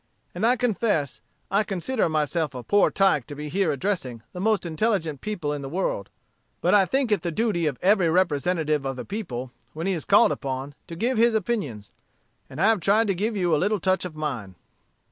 And I confess, I consider myself a poor tyke to be here addressing the most intelligent people in the world. But I think it the duty of every representative of the people, when he is called upon, to give his opinions. And I have tried to give you a little touch of mine."